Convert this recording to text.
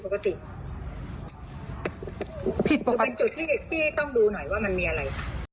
เป็นจุดที่ต้องดูหน่อยว่ามันมีอะไร